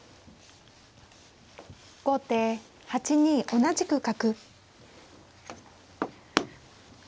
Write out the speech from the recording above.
後手８二同じく角。